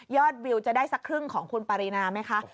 วิวจะได้สักครึ่งของคุณปารีนาไหมคะ